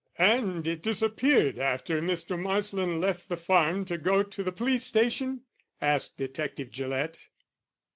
"And it disappeared after Mr. Marsland left the farm to go to the police station?" asked Detective Gillett.